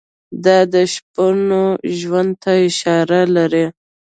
دا د شپنو ژوند ته اشاره لري.